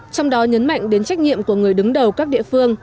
trong đó nhấn mạnh đến trách nhiệm của người đứng đầu các địa phương